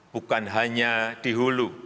bukan hanya di hulu